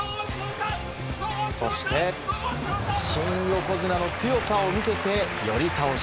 そして、新横綱の強さを見せて寄り倒し。